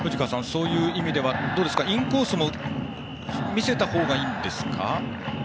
そういう意味ではインコースも見せたほうがいいんですか？